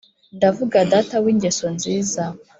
Ndavuga data w' ingeso nziza